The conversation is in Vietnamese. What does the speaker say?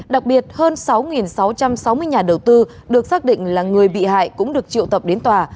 đặc biệt hơn sáu sáu trăm sáu mươi nhà đầu tư được xác định là người bị hại cũng được triệu tập đến tòa